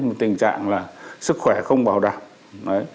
một tình trạng là sức khỏe không bảo đảm